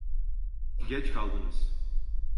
Geç kaldınız!